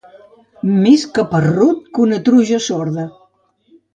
Més caparrut que una truja sorda.